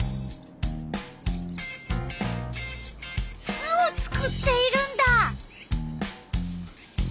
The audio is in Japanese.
巣を作っているんだ！